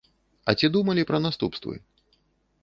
А ці думалі пра наступствы?